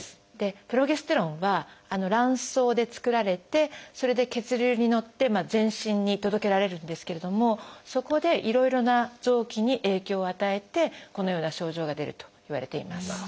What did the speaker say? プロゲステロンは卵巣で作られてそれで血流に乗って全身に届けられるんですけれどもそこでいろいろな臓器に影響を与えてこのような症状が出るといわれています。